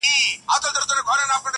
نه د خیر نه د ریشتیا تمه له چا سته -